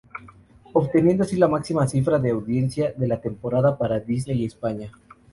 Obteniendo así la máxima cifra de audiencia de la temporada para Disney España.